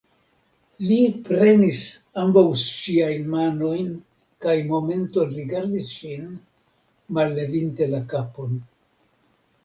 Li prenis ambaŭ ŝiajn manojn kaj momenton rigardis ŝin, mallevinte la kapon